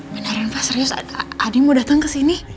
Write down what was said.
beneran pak serius adi mau dateng kesini